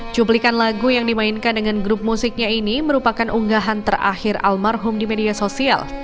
cuplikan lagu yang dimainkan dengan grup musiknya ini merupakan unggahan terakhir almarhum di media sosial